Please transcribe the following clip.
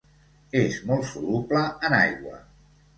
És molt soluble en aigua.